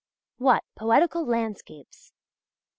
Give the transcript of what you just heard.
What! poetical landscapes?